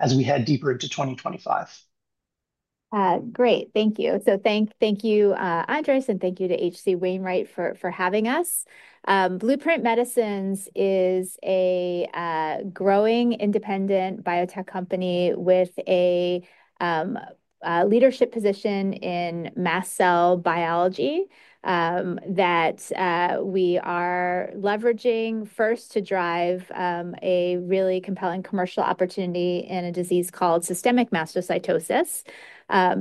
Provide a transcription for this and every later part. As we head deeper into 2025. Great. Thank you. Thank you, Andres, and thank you to H.C. Wainwright for having us. Blueprint Medicines is a growing independent biotech company with a leadership position in mast cell biology that we are leveraging first to drive a really compelling commercial opportunity in a disease called systemic mastocytosis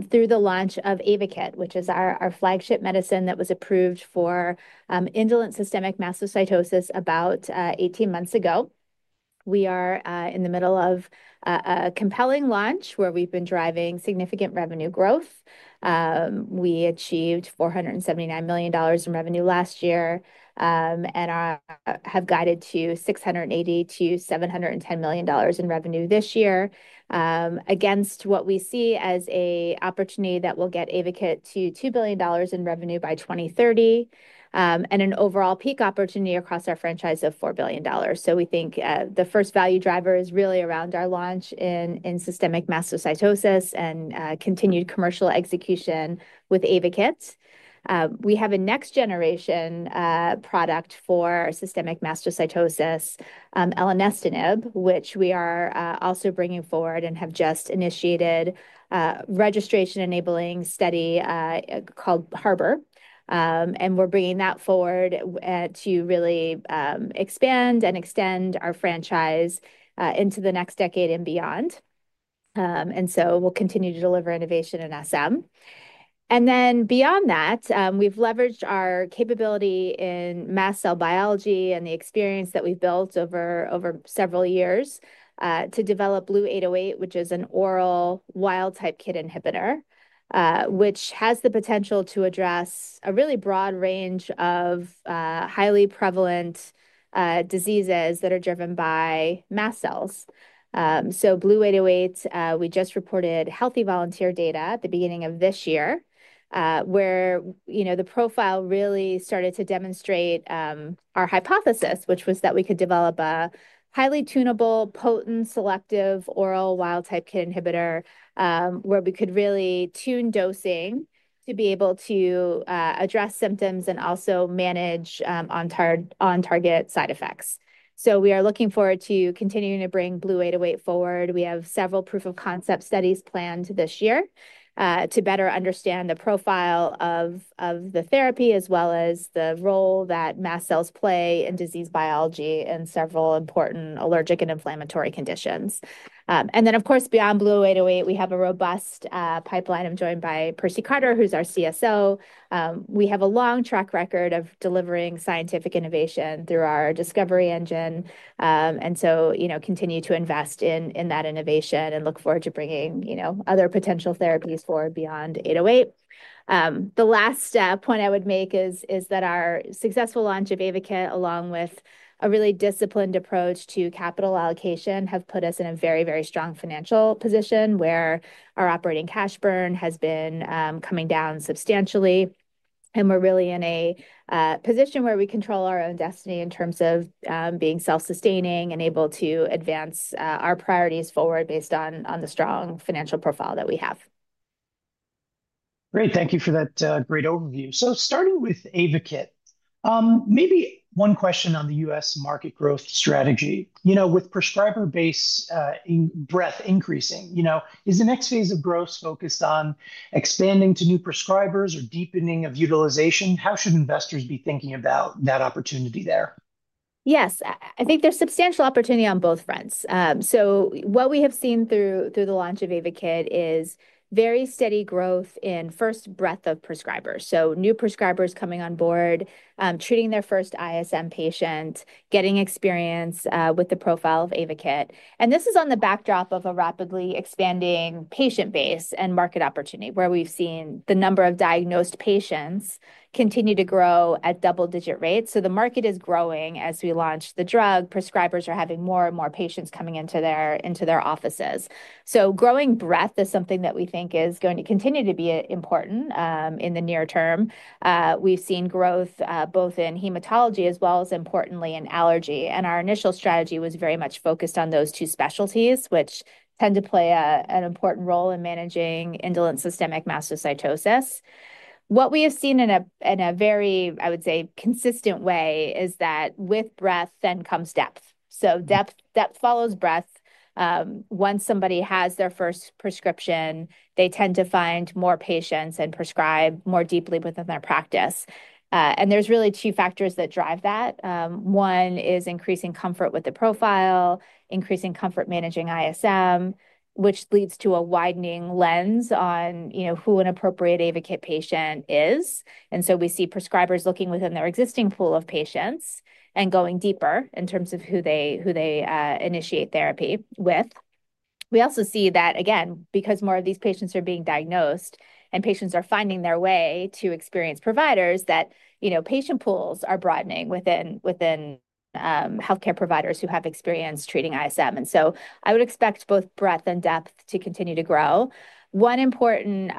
through the launch of AYVAKIT, which is our flagship medicine that was approved for indolent systemic mastocytosis about 18 months ago. We are in the middle of a compelling launch where we've been driving significant revenue growth. We achieved $479 million in revenue last year and have guided to $680-$710 million in revenue this year against what we see as an opportunity that will get AYVAKIT to $2 billion in revenue by 2030 and an overall peak opportunity across our franchise of $4 billion. We think the first value driver is really around our launch in systemic mastocytosis and continued commercial execution with AYVAKIT. We have a next-generation product for systemic mastocytosis, elenestinib, which we are also bringing forward and have just initiated a registration-enabling study called Harbor. We are bringing that forward to really expand and extend our franchise into the next decade and beyond. We will continue to deliver innovation in SM. Beyond that, we have leveraged our capability in mast cell biology and the experience that we have built over several years to develop BLU-808, which is an oral wild-type KIT inhibitor, which has the potential to address a really broad range of highly prevalent diseases that are driven by mast cells. BLU-808, we just reported healthy volunteer data at the beginning of this year where the profile really started to demonstrate our hypothesis, which was that we could develop a highly tunable, potent, selective oral wild-type KIT inhibitor where we could really tune dosing to be able to address symptoms and also manage on-target side effects. We are looking forward to continuing to bring BLU-808 forward. We have several proof-of-concept studies planned this year to better understand the profile of the therapy as well as the role that mast cells play in disease biology and several important allergic and inflammatory conditions. Of course, beyond BLU-808, we have a robust pipeline. I'm joined by Percy Carter, who's our CSO. We have a long track record of delivering scientific innovation through our discovery engine. We continue to invest in that innovation and look forward to bringing other potential therapies forward beyond 808. The last point I would make is that our successful launch of AYVAKIT, along with a really disciplined approach to capital allocation, has put us in a very, very strong financial position where our operating cash burn has been coming down substantially. We are really in a position where we control our own destiny in terms of being self-sustaining and able to advance our priorities forward based on the strong financial profile that we have. Great. Thank you for that great overview. Thank you. Starting with AYVAKIT, maybe one question on the U.S. market growth strategy. With prescriber-based breadth increasing, is the next phase of growth focused on expanding to new prescribers or deepening of utilization? How should investors be thinking about that opportunity there? Yes. I think there's substantial opportunity on both fronts. What we have seen through the launch of AYVAKIT is very steady growth in first breadth of prescribers. New prescribers coming on board, treating their first ISM patient, getting experience with the profile of AYVAKIT. This is on the backdrop of a rapidly expanding patient base and market opportunity where we've seen the number of diagnosed patients continue to grow at double-digit rates. The market is growing as we launch the drug. Prescribers are having more and more patients coming into their offices. Growing breadth is something that we think is going to continue to be important in the near term. We've seen growth both in hematology as well as, importantly, in allergy. Our initial strategy was very much focused on those two specialties, which tend to play an important role in managing indolent systemic mastocytosis. What we have seen in a very, I would say, consistent way is that with breadth then comes depth. Depth follows breadth. Once somebody has their first prescription, they tend to find more patients and prescribe more deeply within their practice. There are really two factors that drive that. One is increasing comfort with the profile, increasing comfort managing ISM, which leads to a widening lens on who an appropriate AYVAKIT patient is. We see prescribers looking within their existing pool of patients and going deeper in terms of who they initiate therapy with. We also see that, again, because more of these patients are being diagnosed and patients are finding their way to experienced providers, that patient pools are broadening within healthcare providers who have experience treating ISM. I would expect both breadth and depth to continue to grow. One important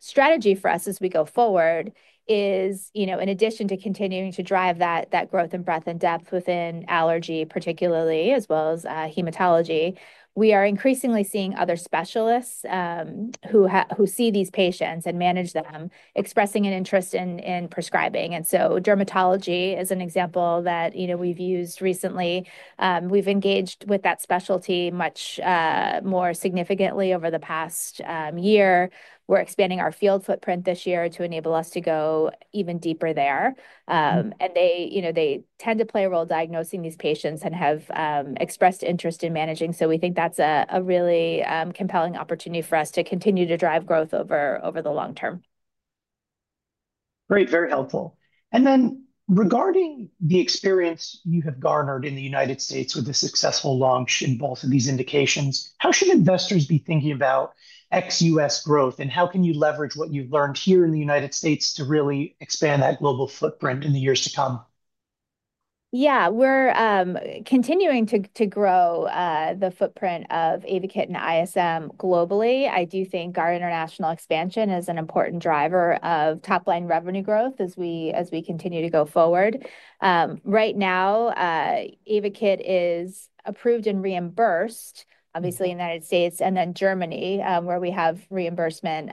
strategy for us as we go forward is, in addition to continuing to drive that growth in breadth and depth within allergy, particularly, as well as hematology, we are increasingly seeing other specialists who see these patients and manage them expressing an interest in prescribing. Dermatology is an example that we've used recently. We've engaged with that specialty much more significantly over the past year. We're expanding our field footprint this year to enable us to go even deeper there. They tend to play a role diagnosing these patients and have expressed interest in managing. We think that's a really compelling opportunity for us to continue to drive growth over the long term. Great. Very helpful. Regarding the experience you have garnered in the United States with the successful launch in both of these indications, how should investors be thinking about ex-US growth? How can you leverage what you've learned here in the United States to really expand that global footprint in the years to come? Yeah. We're continuing to grow the footprint of AYVAKIT and ISM globally. I do think our international expansion is an important driver of top-line revenue growth as we continue to go forward. Right now, AYVAKIT is approved and reimbursed, obviously, in the United States and then Germany, where we have reimbursement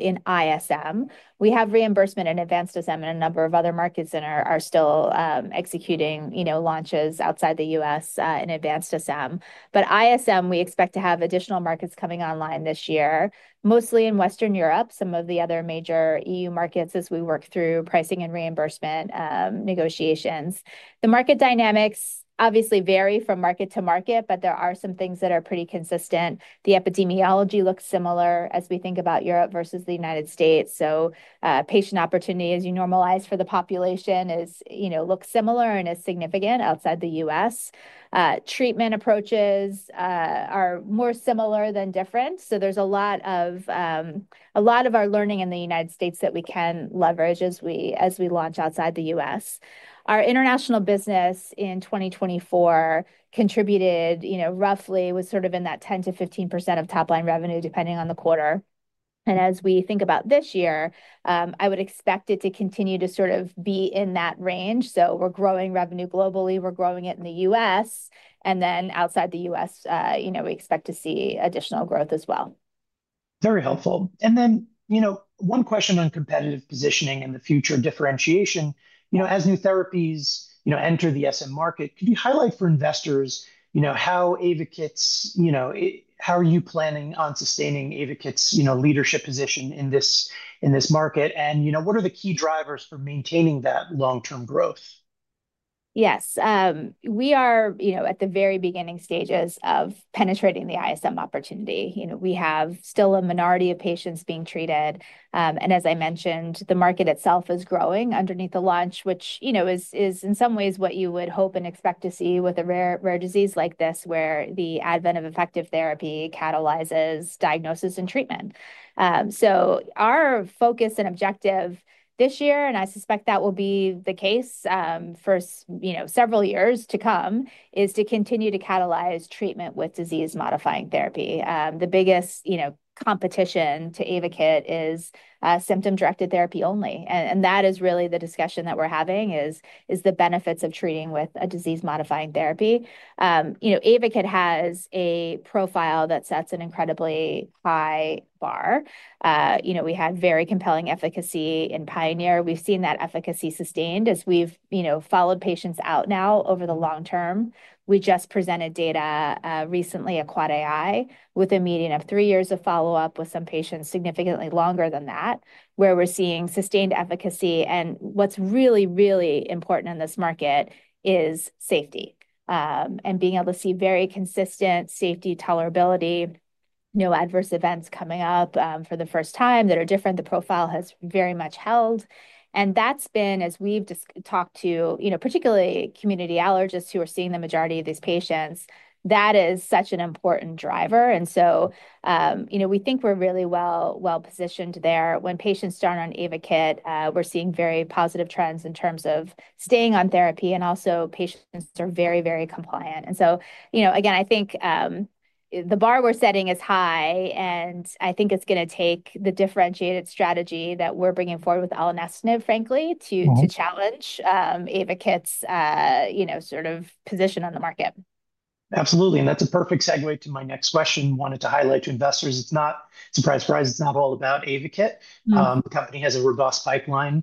in ISM. We have reimbursement in advanced SM and a number of other markets that are still executing launches outside the U.S. in advanced SM. ISM, we expect to have additional markets coming online this year, mostly in Western Europe, some of the other major EU markets as we work through pricing and reimbursement negotiations. The market dynamics obviously vary from market to market, but there are some things that are pretty consistent. The epidemiology looks similar as we think about Europe versus the United States. Patient opportunity as you normalize for the population looks similar and is significant outside the U.S. Treatment approaches are more similar than different. There is a lot of our learning in the United States that we can leverage as we launch outside the U.S. Our international business in 2024 contributed roughly was sort of in that 10%-15% of top-line revenue depending on the quarter. As we think about this year, I would expect it to continue to sort of be in that range. We are growing revenue globally. We are growing it in the U.S. Then outside the U.S., we expect to see additional growth as well. Very helpful. One question on competitive positioning and the future differentiation. As new therapies enter the SM market, could you highlight for investors how AYVAKIT's, how are you planning on sustaining AYVAKIT's leadership position in this market? What are the key drivers for maintaining that long-term growth? Yes. We are at the very beginning stages of penetrating the ISM opportunity. We have still a minority of patients being treated. As I mentioned, the market itself is growing underneath the launch, which is in some ways what you would hope and expect to see with a rare disease like this where the advent of effective therapy catalyzes diagnosis and treatment. Our focus and objective this year, and I suspect that will be the case for several years to come, is to continue to catalyze treatment with disease-modifying therapy. The biggest competition to AYVAKIT is symptom-directed therapy only. That is really the discussion that we're having, the benefits of treating with a disease-modifying therapy. AYVAKIT has a profile that sets an incredibly high bar. We had very compelling efficacy in Pioneer. We've seen that efficacy sustained as we've followed patients out now over the long term. We just presented data recently at QuAD AI with a median of three years of follow-up with some patients significantly longer than that, where we're seeing sustained efficacy. What's really, really important in this market is safety and being able to see very consistent safety tolerability, no adverse events coming up for the first time that are different. The profile has very much held. As we've talked to particularly community allergists who are seeing the majority of these patients, that is such an important driver. We think we're really well-positioned there. When patients start on AYVAKIT, we're seeing very positive trends in terms of staying on therapy. Also, patients are very, very compliant. Again, I think the bar we're setting is high. I think it's going to take the differentiated strategy that we're bringing forward with elenestinib, frankly, to challenge AYVAKIT's sort of position on the market. Absolutely. That's a perfect segue to my next question. Wanted to highlight to investors, surprise, surprise, it's not all about AYVAKIT. The company has a robust pipeline.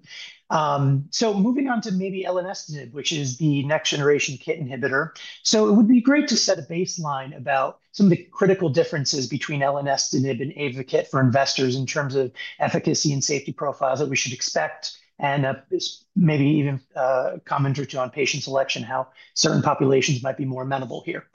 Moving on to maybe elenestinib, which is the next-generation KIT inhibitor. It would be great to set a baseline about some of the critical differences between elenestinib and AYVAKIT for investors in terms of efficacy and safety profiles that we should expect and maybe even a comment or two on patient selection, how certain populations might be more amenable here.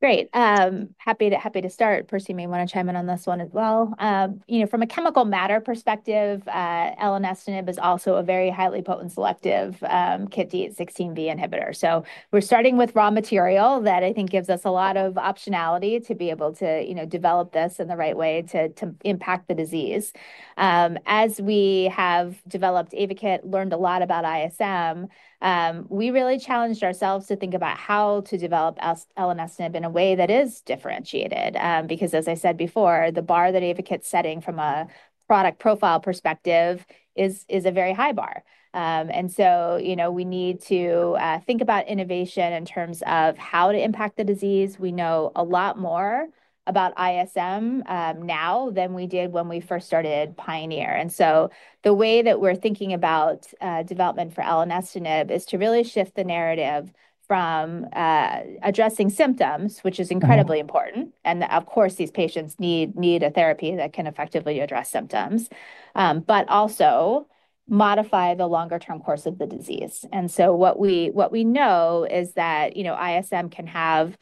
Great. Happy to start. Percy, may you want to chime in on this one as well? From a chemical matter perspective, elenestinib is also a very highly potent selective KIT D816V inhibitor. We are starting with raw material that I think gives us a lot of optionality to be able to develop this in the right way to impact the disease. As we have developed AYVAKIT, learned a lot about ISM, we really challenged ourselves to think about how to develop elenestinib in a way that is differentiated. As I said before, the bar that AYVAKIT's setting from a product profile perspective is a very high bar. We need to think about innovation in terms of how to impact the disease. We know a lot more about ISM now than we did when we first started Pioneer. The way that we're thinking about development for elenestinib is to really shift the narrative from addressing symptoms, which is incredibly important. Of course, these patients need a therapy that can effectively address symptoms, but also modify the longer-term course of the disease. What we know is that ISM can have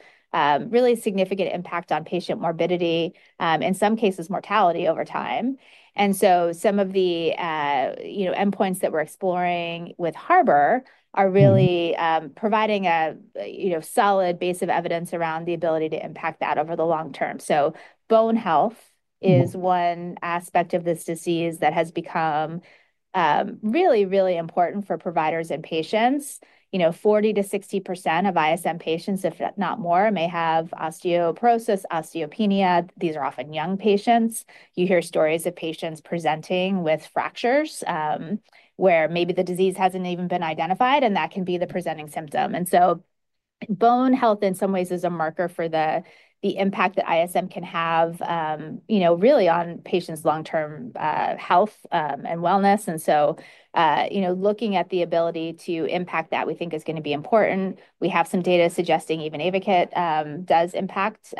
really significant impact on patient morbidity, in some cases, mortality over time. Some of the endpoints that we're exploring with Harbor are really providing a solid base of evidence around the ability to impact that over the long term. Bone health is one aspect of this disease that has become really, really important for providers and patients. 40%-60% of ISM patients, if not more, may have osteoporosis, osteopenia. These are often young patients. You hear stories of patients presenting with fractures where maybe the disease has not even been identified, and that can be the presenting symptom. Bone health in some ways is a marker for the impact that ISM can have really on patients' long-term health and wellness. Looking at the ability to impact that, we think, is going to be important. We have some data suggesting even AYVAKIT does impact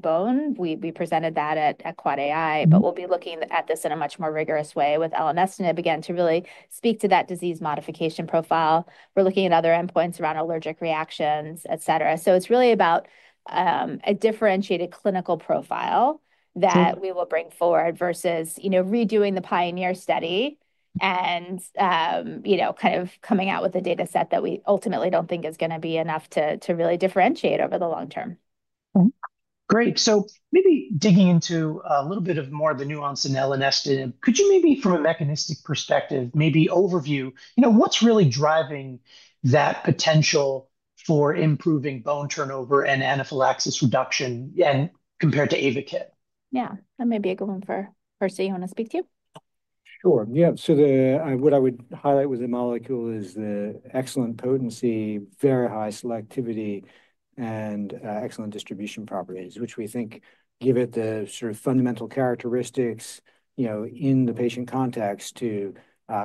bone. We presented that at QuAD AI, but we will be looking at this in a much more rigorous way with elenestinib again to really speak to that disease modification profile. We are looking at other endpoints around allergic reactions, et cetera. It is really about a differentiated clinical profile that we will bring forward versus redoing the Pioneer study and kind of coming out with a data set that we ultimately do not think is going to be enough to really differentiate over the long term. Great. Maybe digging into a little bit more of the nuance in elenestinib, could you maybe from a mechanistic perspective, maybe overview what's really driving that potential for improving bone turnover and anaphylaxis reduction compared to AYVAKIT? Yeah. That may be a good one for Percy. You want to speak too? Sure. Yeah. What I would highlight with the molecule is the excellent potency, very high selectivity, and excellent distribution properties, which we think give it the sort of fundamental characteristics in the patient context to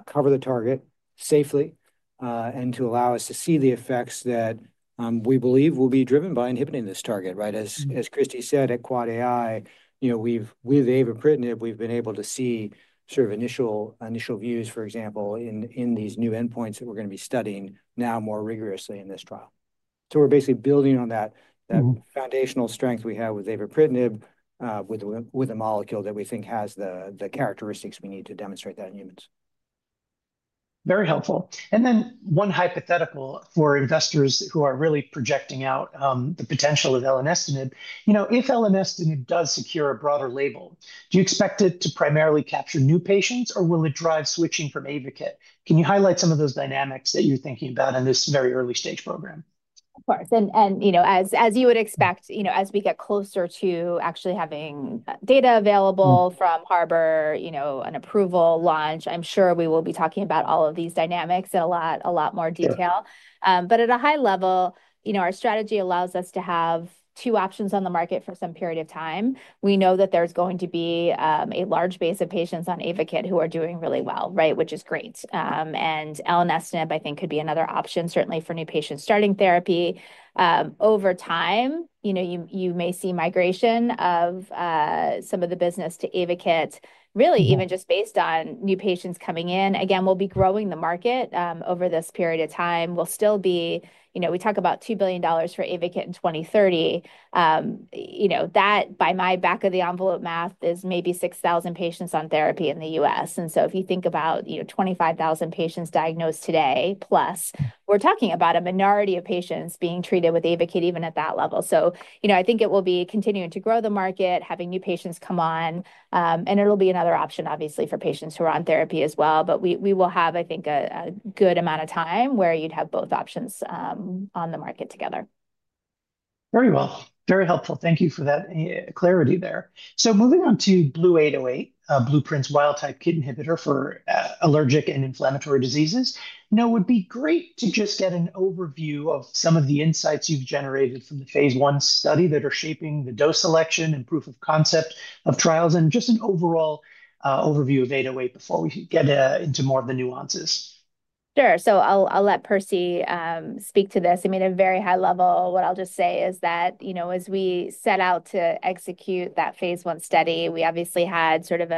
cover the target safely and to allow us to see the effects that we believe will be driven by inhibiting this target. As Christina said at QuAD AI, with AYVAKIT, we've been able to see sort of initial views, for example, in these new endpoints that we're going to be studying now more rigorously in this trial. We are basically building on that foundational strength we have with AYVAKIT with a molecule that we think has the characteristics we need to demonstrate that in humans. Very helpful. One hypothetical for investors who are really projecting out the potential of elenestinib. If elenestinib does secure a broader label, do you expect it to primarily capture new patients, or will it drive switching from AYVAKIT? Can you highlight some of those dynamics that you're thinking about in this very early-stage program? Of course. As you would expect, as we get closer to actually having data available from Harbor, an approval launch, I'm sure we will be talking about all of these dynamics in a lot more detail. At a high level, our strategy allows us to have two options on the market for some period of time. We know that there's going to be a large base of patients on AYVAKIT who are doing really well, which is great. Elenestinib, I think, could be another option, certainly for new patients starting therapy. Over time, you may see migration of some of the business to AYVAKIT, really even just based on new patients coming in. Again, we'll be growing the market over this period of time. We talk about $2 billion for AYVAKIT in 2030. That, by my back-of-the-envelope math, is maybe 6,000 patients on therapy in the U.S. If you think about 25,000 patients diagnosed today, plus, we're talking about a minority of patients being treated with AYVAKIT even at that level. I think it will be continuing to grow the market, having new patients come on. It'll be another option, obviously, for patients who are on therapy as well. We will have, I think, a good amount of time where you'd have both options on the market together. Very well. Very helpful. Thank you for that clarity there. Moving on to BLU-808, Blueprint's wild-type KIT inhibitor for allergic and inflammatory diseases. It would be great to just get an overview of some of the insights you've generated from the phase one study that are shaping the dose selection and proof-of-concept trials and just an overall overview of 808 before we get into more of the nuances. Sure. I'll let Percy speak to this. I mean, at a very high level, what I'll just say is that as we set out to execute that phase one study, we obviously had sort of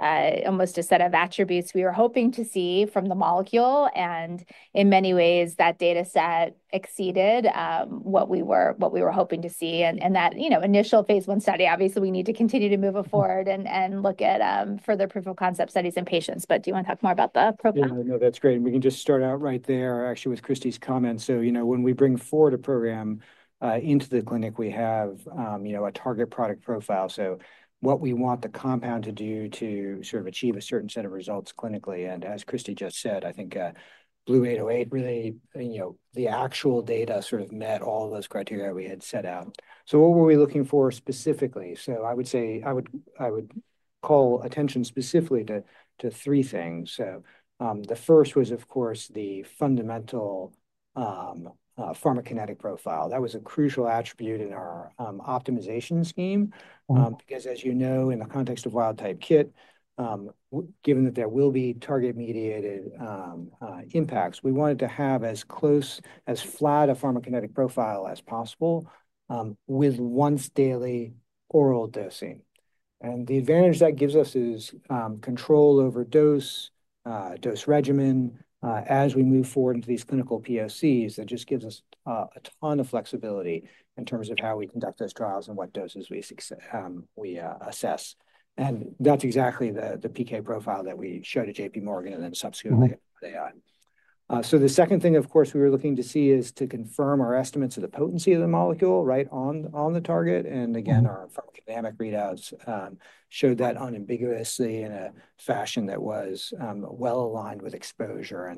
almost a set of attributes we were hoping to see from the molecule. In many ways, that data set exceeded what we were hoping to see. That initial phase one study, obviously, we need to continue to move it forward and look at further proof of concept studies in patients. Do you want to talk more about the profile? Yeah. No, that's great. We can just start out right there, actually, with Christy's comments. When we bring forward a program into the clinic, we have a target product profile. What we want the compound to do is to sort of achieve a certain set of results clinically. As Christy just said, I think BLU-808, really, the actual data sort of met all those criteria we had set out. What were we looking for specifically? I would call attention specifically to three things. The first was, of course, the fundamental pharmacokinetic profile. That was a crucial attribute in our optimization scheme. Because, as you know, in the context of wild-type KIT, given that there will be target-mediated impacts, we wanted to have as close as flat a pharmacokinetic profile as possible with once-daily oral dosing. The advantage that gives us is control over dose, dose regimen as we move forward into these clinical POCs. That just gives us a ton of flexibility in terms of how we conduct those trials and what doses we assess. That is exactly the PK profile that we showed at J.P. Morgan and then subsequently at QuAD AI. The second thing, of course, we were looking to see is to confirm our estimates of the potency of the molecule right on the target. Again, our pharmacodynamic readouts showed that unambiguously in a fashion that was well-aligned with exposure.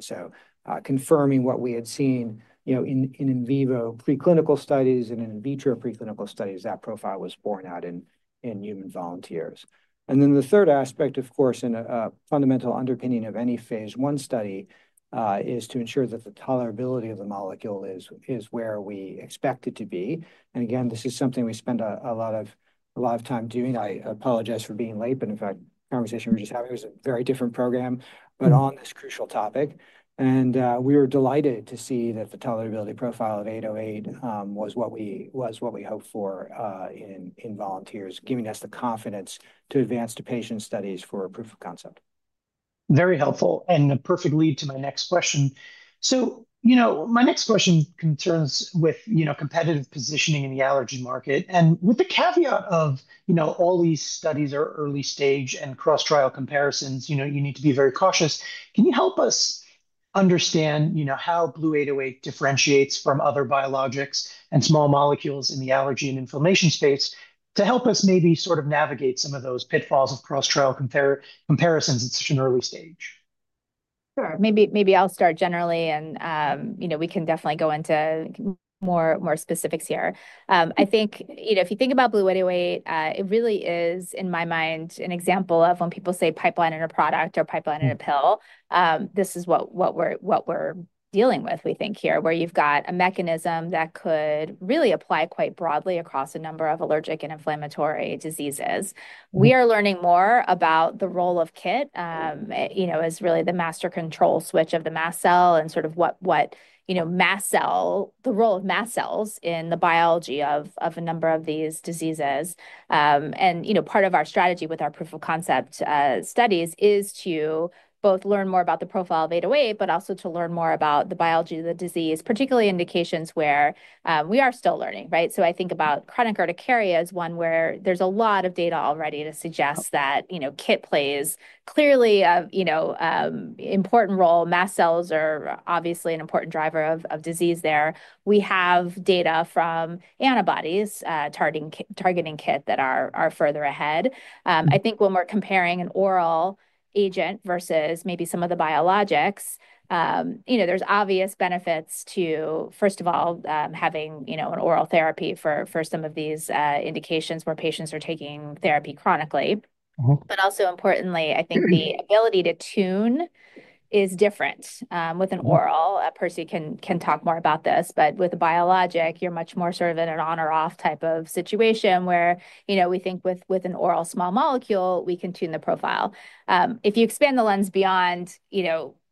Confirming what we had seen in in vivo preclinical studies and in vitro preclinical studies, that profile was borne out in human volunteers. The third aspect, of course, and a fundamental underpinning of any phase one study is to ensure that the tolerability of the molecule is where we expect it to be. This is something we spent a lot of time doing. I apologize for being late. In fact, the conversation we were just having was a very different program, but on this crucial topic. We were delighted to see that the tolerability profile of 808 was what we hoped for in volunteers, giving us the confidence to advance to patient studies for proof of concept. Very helpful and a perfect lead to my next question. My next question concerns with competitive positioning in the allergy market. With the caveat of all these studies are early-stage and cross-trial comparisons, you need to be very cautious. Can you help us understand how BLU-808 differentiates from other biologics and small molecules in the allergy and inflammation space to help us maybe sort of navigate some of those pitfalls of cross-trial comparisons at such an early stage? Sure. Maybe I'll start generally. We can definitely go into more specifics here. I think if you think about BLU-808, it really is, in my mind, an example of when people say pipeline in a product or pipeline in a pill, this is what we're dealing with, we think, here, where you've got a mechanism that could really apply quite broadly across a number of allergic and inflammatory diseases. We are learning more about the role of KIT as really the master control switch of the mast cell and sort of what the role of mast cells is in the biology of a number of these diseases. Part of our strategy with our proof-of-concept studies is to both learn more about the profile of 808, but also to learn more about the biology of the disease, particularly indications where we are still learning. I think about chronic urticaria as one where there is a lot of data already to suggest that KIT plays clearly an important role. Mast cells are obviously an important driver of disease there. We have data from antibodies targeting KIT that are further ahead. I think when we are comparing an oral agent versus maybe some of the biologics, there are obvious benefits to, first of all, having an oral therapy for some of these indications where patients are taking therapy chronically. Also importantly, I think the ability to tune is different with an oral. Percy can talk more about this. With a biologic, you are much more sort of in an on-or-off type of situation where we think with an oral small molecule, we can tune the profile. If you expand the lens beyond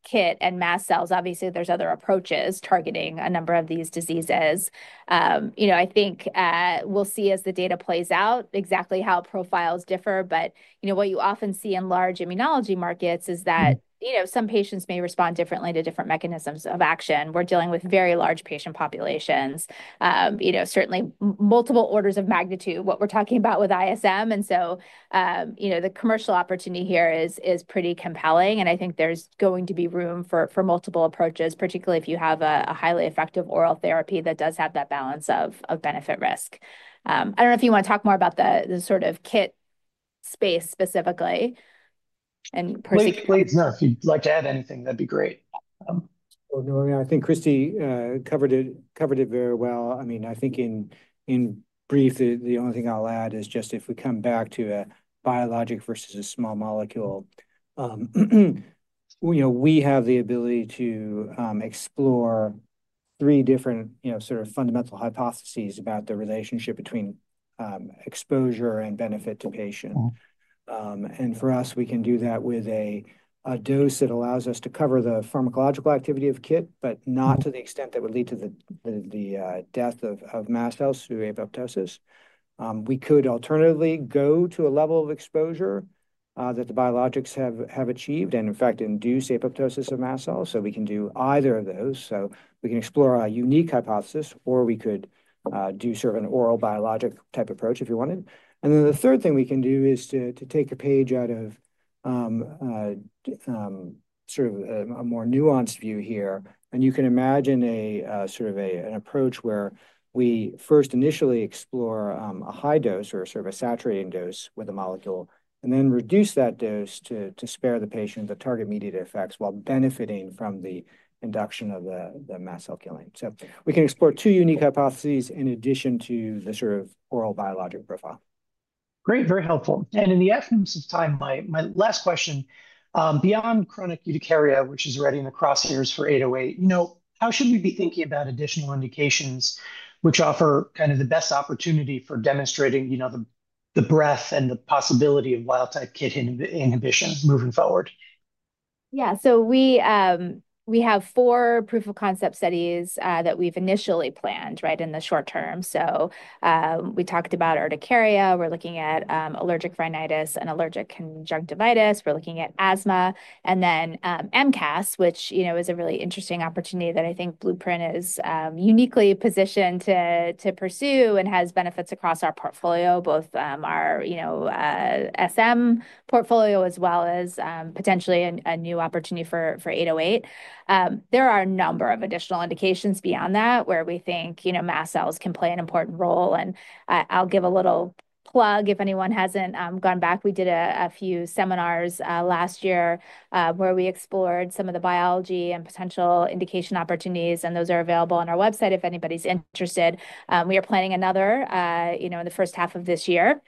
KIT and mast cells, obviously, there are other approaches targeting a number of these diseases. I think we'll see as the data plays out exactly how profiles differ. What you often see in large immunology markets is that some patients may respond differently to different mechanisms of action. We're dealing with very large patient populations, certainly multiple orders of magnitude what we're talking about with ISM. The commercial opportunity here is pretty compelling. I think there's going to be room for multiple approaches, particularly if you have a highly effective oral therapy that does have that balance of benefit-risk. I don't know if you want to talk more about the sort of KIT space specifically. No, if you'd like to add anything, that'd be great. I think Christy covered it very well. I mean, I think in brief, the only thing I'll add is just if we come back to a biologic versus a small molecule, we have the ability to explore three different sort of fundamental hypotheses about the relationship between exposure and benefit to patient. And for us, we can do that with a dose that allows us to cover the pharmacological activity of KIT, but not to the extent that would lead to the death of mast cells through apoptosis. We could alternatively go to a level of exposure that the biologics have achieved and, in fact, induce apoptosis of mast cells. We can do either of those. We can explore a unique hypothesis, or we could do sort of an oral biologic type approach if you wanted. The third thing we can do is to take a page out of sort of a more nuanced view here. You can imagine sort of an approach where we first initially explore a high dose or sort of a saturating dose with a molecule and then reduce that dose to spare the patient the target-mediated effects while benefiting from the induction of the mast cell killing. We can explore two unique hypotheses in addition to the sort of oral biologic profile. Great. Very helpful. In the absence of time, my last question. Beyond chronic urticaria, which is already in the crosshairs for 808, how should we be thinking about additional indications which offer kind of the best opportunity for demonstrating the breadth and the possibility of wild-type KIT inhibition moving forward? Yeah. We have four proof-of-concept studies that we've initially planned in the short term. We talked about urticaria. We're looking at allergic rhinitis and allergic conjunctivitis. We're looking at asthma. MCAS is a really interesting opportunity that I think Blueprint is uniquely positioned to pursue and has benefits across our portfolio, both our SM portfolio as well as potentially a new opportunity for 808. There are a number of additional indications beyond that where we think mast cells can play an important role. I'll give a little plug if anyone hasn't gone back. We did a few seminars last year where we explored some of the biology and potential indication opportunities. Those are available on our website if anybody's interested. We are planning another in the first half of this year.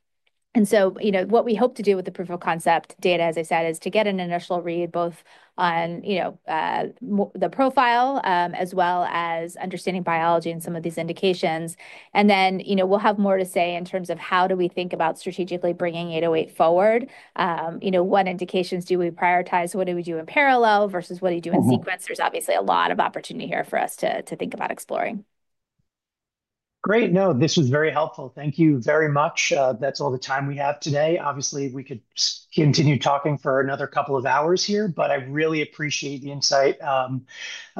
What we hope to do with the proof of concept data, as I said, is to get an initial read both on the profile as well as understanding biology and some of these indications. Then we'll have more to say in terms of how do we think about strategically bringing 808 forward. What indications do we prioritize? What do we do in parallel versus what do you do in sequence? There is obviously a lot of opportunity here for us to think about exploring. Great. No, this was very helpful. Thank you very much. That's all the time we have today. Obviously, we could continue talking for another couple of hours here. I really appreciate the insight that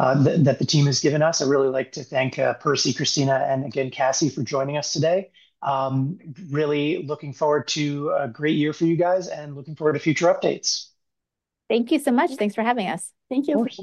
the team has given us. I really like to thank Percy, Christina, and again, Cassie for joining us today. Really looking forward to a great year for you guys and looking forward to future updates. Thank you so much. Thanks for having us. Thank you.